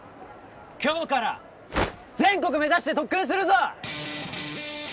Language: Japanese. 今日から全国目指して特訓するぞ！